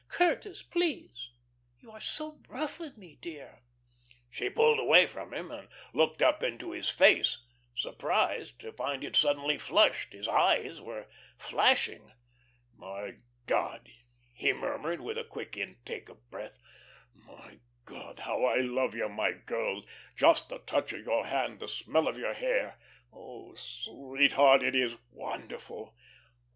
Curtis! Please. You are so rough with me, dear." She pulled away from him, and looked up into his face, surprised to find it suddenly flushed; his eyes were flashing. "My God," he murmured, with a quick intake of breath, "my God, how I love you, my girl! Just the touch of your hand, the smell of your hair. Oh, sweetheart. It is wonderful!